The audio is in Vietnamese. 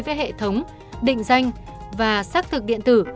với hệ thống định danh và xác thực điện tử